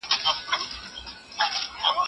که زده کړه انعطاف ولري، زده کوونکي نه ستړي کېږي.